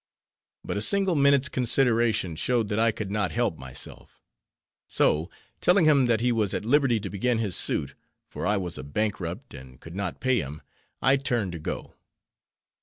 But a single minute's consideration showed that I could not help myself; so, telling him that he was at liberty to begin his suit, for I was a bankrupt, and could not pay him, I turned to go.